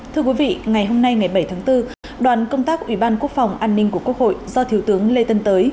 thưa quý vị ngày hôm nay ngày bảy tháng bốn đoàn công tác ủy ban quốc phòng an ninh của quốc hội do thiếu tướng lê tân tới